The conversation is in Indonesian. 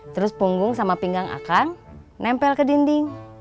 terus punggung sama pinggang akang nempel ke dinding